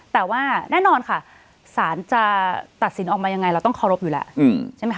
แต่ว่าแน่นอนค่ะสารจะตัดสินออกมายังไงเราต้องเคารพอยู่แล้วใช่ไหมค